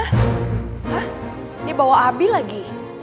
hah dia bawa abi lagi